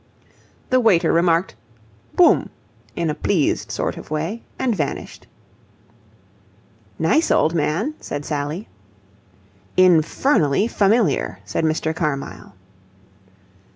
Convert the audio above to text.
The waiter remarked, "Boum!" in a pleased sort of way, and vanished. "Nice old man!" said Sally. "Infernally familiar!" said Mr. Carmyle.